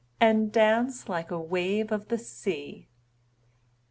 'And dance like a wave of the sea.